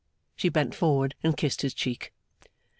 She bent forward, and kissed his cheek.